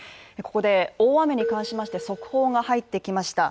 ここで大雨に関しまして速報が入ってきました。